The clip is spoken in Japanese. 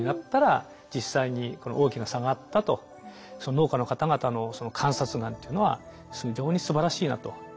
農家の方々の観察眼っていうのは非常にすばらしいなと。